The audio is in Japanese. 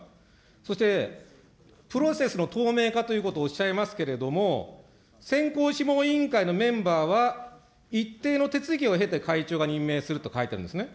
そしてプロセスの透明化ということをおっしゃいますけれども、選考諮問委員会のメンバーは、一定の手続きを経て会長が任命すると書いてあるんですね。